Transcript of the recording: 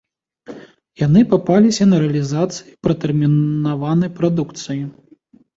Яны папаліся на рэалізацыі пратэрмінаванай прадукцыі.